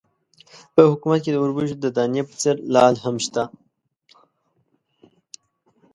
په حکومت کې د اوربشو د دانې په څېر لعل هم شته.